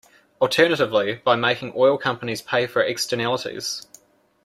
Alternatively, by making oil companies pay for externalities.